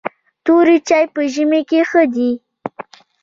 توري چای په ژمي کې ښه دي .